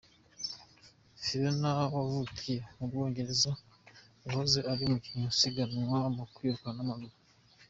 Fiona wavukiye mu Bwongereza yahoze uri umukinnyi usiganwa mu kwiruka n'amaguru.